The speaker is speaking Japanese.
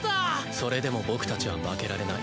それでも僕たちは負けられない。